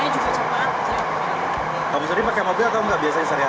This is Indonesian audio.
mau banget pak masih mau banget